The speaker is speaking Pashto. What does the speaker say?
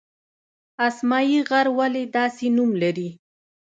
اسمايي غر ولې داسې نوم لري؟